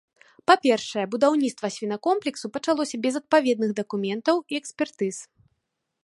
Па-першае, будаўніцтва свінакомплексу пачалося без адпаведных дакументаў і экспертыз.